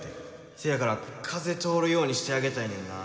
せやから風通るようにしてあげたいねんな。